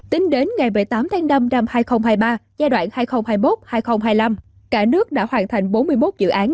tính đến ngày một mươi tám tháng năm năm hai nghìn hai mươi ba giai đoạn hai nghìn hai mươi một hai nghìn hai mươi năm cả nước đã hoàn thành bốn mươi một dự án